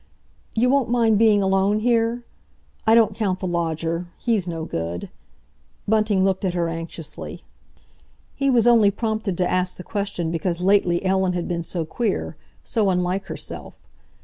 "You won't mind being alone, here? I don't count the lodger—he's no good—" Bunting looked at her anxiously. He was only prompted to ask the question because lately Ellen had been so queer, so unlike herself.